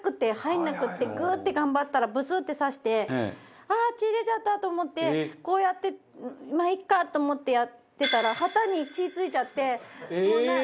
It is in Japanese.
グーッて頑張ったらブスッて刺してああー血出ちゃった！と思ってこうやってまあいっかと思ってやってたら旗に血付いちゃってもう何？